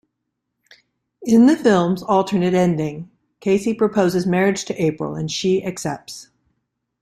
In the film's alternate ending, Casey proposes marriage to April and she accepts.